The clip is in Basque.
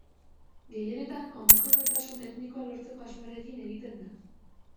Gehienetan homogeneotasun etnikoa lortzeko asmoarekin egiten da.